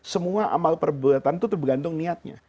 semua amal perbuatan itu tergantung niatnya